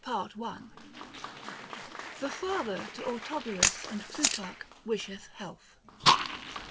* THE FATHER TO AUTOBULUS AND PLUTARCH WISHETH HEALTH.